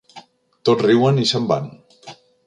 Tots riuen i se'n van.